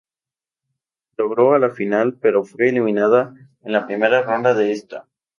Logró a la final, pero fue eliminada en la primera ronda de esta.